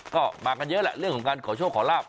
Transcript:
ก็มากันเยอะแหละเรื่องของการขอโชคขอลาบ